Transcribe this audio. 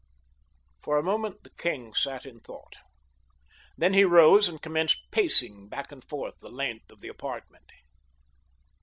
For a moment the king sat in thought. Then he rose and commenced pacing back and forth the length of the apartment.